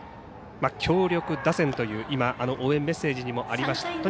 強力打線という応援メッセージもありました。